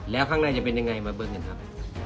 แล้วข้างในจะเป็นยังไงมามองหน่อยครับ